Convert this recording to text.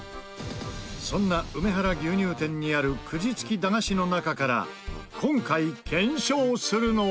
そんな梅原牛乳店にあるくじ付き駄菓子の中から今回検証するのは。